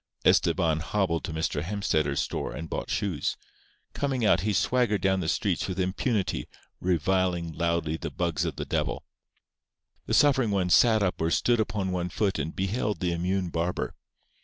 _" Estebán hobbled to Mr. Hemstetter's store, and bought shoes. Coming out, he swaggered down the street with impunity, reviling loudly the bugs of the devil. The suffering ones sat up or stood upon one foot and beheld the immune barber.